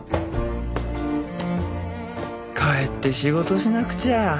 帰って仕事しなくちゃ。